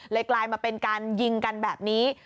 กลายมาเป็นการยิงกันแบบนี้